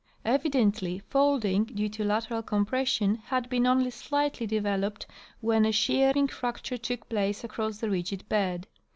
Evidently folding, clue to lateral compression, had been only slightly de veloped when a shearing fracture took place across the rigid bed.